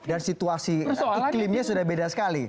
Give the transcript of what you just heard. dan situasi iklimnya sudah beda sekali